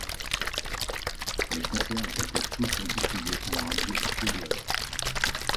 Les concerts étaient tous diffusés à la radio suédoise.